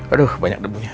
aduh banyak debunya